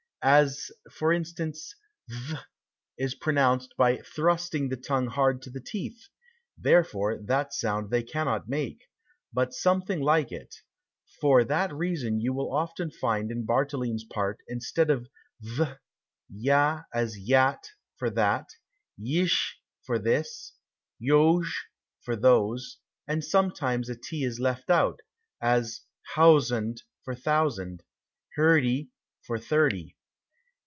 As for instance th is pronounced by thrusting the tongue hard to the teeth, therefore that sound they cannot make, but something like it. For that reason you will often find in Bartoline's part, instead of th, ya, as yat for that; yish for this; yosh for those; sometimes a t is left out, as housand for thousand; hirty for thirty.